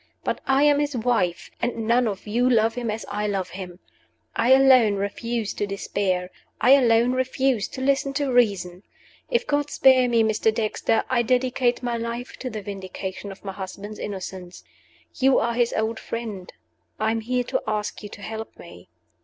But I am his wife; and none of you love him as I love him. I alone refuse to despair; I alone refuse to listen to reason. If God spare me, Mr. Dexter, I dedicate my life to the vindication of my husband's innocence. You are his old friend I am here to ask you to help me."